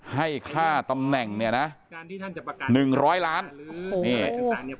ให้ค่าตำแหน่งเนี่ยนะหนึ่งร้อยล้านผมไม่ขอก้าวล่วง